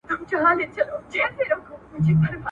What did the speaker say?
چي څه عقل یې درلودی هغه خام سو `